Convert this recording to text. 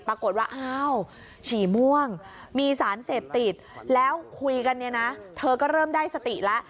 ปรากฏว่าชี่ม่วงมีสารเสพติดแล้วคุยกันเธอก็เริ่มได้สติแล้ว